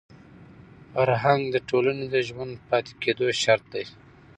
فرهنګ د ټولني د ژوندي پاتې کېدو شرط دی.